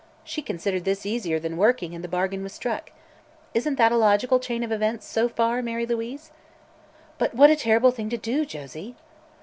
She considered this easier than working and the bargain was struck. Isn't that a logical chain of events, so far, Mary Louise?" "But what a terrible thing to do, Josie!"